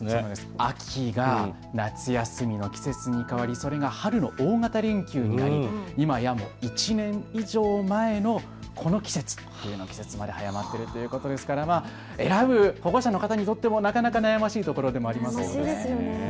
秋が夏休みの季節に変わり、春の大型連休に、今や１年以上前のこの季節まで早まっているということですから、選ぶ保護者の方にとっては悩ましいところでもありますね。